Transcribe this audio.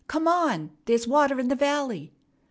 "Come on! There's water in the valley."